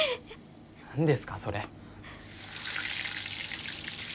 何ですかそれ。